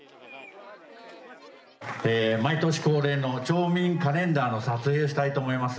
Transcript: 毎年恒例の町民カレンダーの撮影をしたいと思います。